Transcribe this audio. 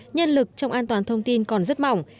nhân lực trong an toàn thông tin còn rất mỏng